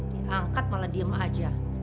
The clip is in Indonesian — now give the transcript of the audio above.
diangkat malah diem aja